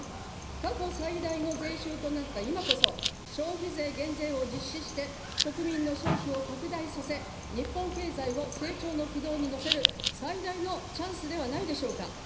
過去最大の税収となった今こそ、消費税減税を実施して、国民の消費を拡大させ、日本経済を成長の軌道に乗せる最大のチャンスではないでしょうか。